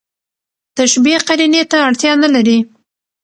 تشبېه قرينې ته اړتیا نه لري.